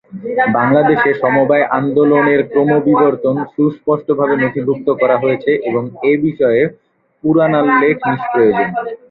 বাংলাদেশে সমবায় আন্দোলনের ক্রমবিবর্তন সুস্পষ্টভাবে নথিভুক্ত করা হয়েছে এবং এ বিষয়ে পুরানাল্লেখ নিষ্প্রয়োজন।